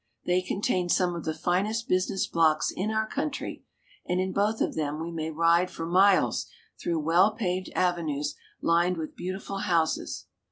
They contain some of the finest business blocks in our country, and in both of them we may ride for miles through well paved avenues, lined with beautiful houses.